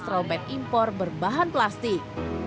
trompet impor berbahan plastik